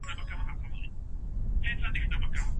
تخیل د نوي ژوند انځورګري ده.